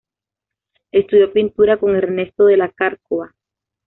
Estudió pintura con Ernesto de la Cárcova.